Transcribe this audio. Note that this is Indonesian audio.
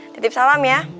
titip salam ya